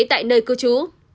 tại nơi cư trú